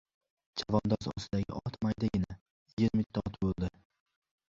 Chavandoz ostidagi ot maydagina, yermitti ot bo‘ldi.